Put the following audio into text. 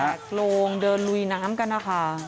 โลงเดินลุยน้ำกันนะคะ